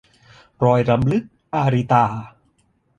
รอยรำลึก - อาริตา